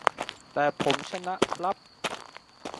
แต่ผมชนะครับ